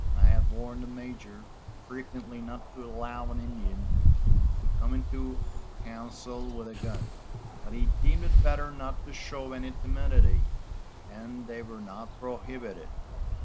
I had warned the major frequently not to allow an Indian to come into council with a gun, but he deemed it better not to show any timidity, and they were not prohibited.